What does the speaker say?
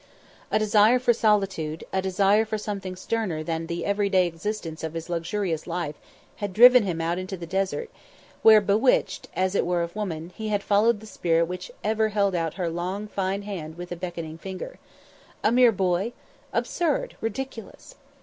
A desire for solitude, a desire for something sterner than the everyday existence of his luxurious life had driven him out into the desert, where, bewitched, as it were of woman, he had followed the Spirit which ever held out her long fine hand with beckoning finger. A mere boy? Absurd! Ridiculous!